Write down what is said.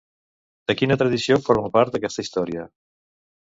De quina tradició forma part aquesta història?